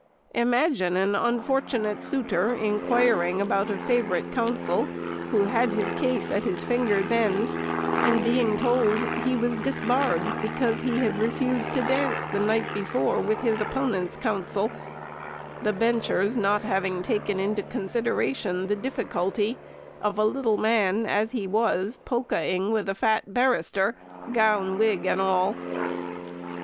Imagine an unfortunate suitor inquiring about a favourite counsel, who had his case at his fingers' ends, and being told he was disbarred, because he had refused to dance the night before with his opponent's counsel; the benchers not having taken into consideration the difficulty of a little man, as he was, polking with a fat barrister, gown, and wig, and all.